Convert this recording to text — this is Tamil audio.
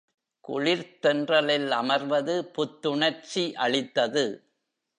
குளிர்த் தென்றலில் அமர்வது புத்துணர்ச்சி அளித்தது.